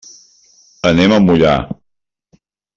Anem a Moià.